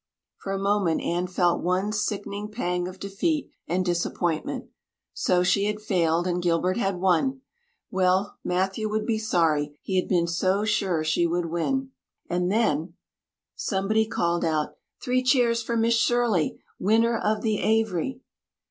For a moment Anne felt one sickening pang of defeat and disappointment. So she had failed and Gilbert had won! Well, Matthew would be sorry he had been so sure she would win. And then! Somebody called out: "Three cheers for Miss Shirley, winner of the Avery!"